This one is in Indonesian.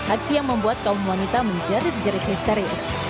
aksi yang membuat kaum wanita menjerit jerit histeris